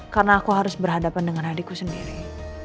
karena aku harus berhadapan dengan adikku sendiri